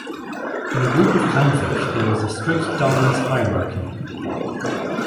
In a group of clownfish, there is a strict dominance hierarchy.